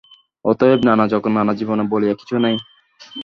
অতএব নানা জগৎ, নানা জীবন বলিয়া কিছু নাই।